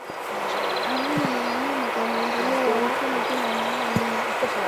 Amani ni muhimu kwa maendeleo ya uchumi kila mahali.